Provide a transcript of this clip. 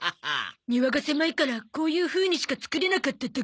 庭が狭いからこういうふうにしか作れなかっただけじゃん。